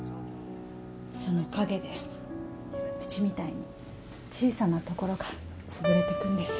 その陰でうちみたいに小さなところがつぶれていくんです。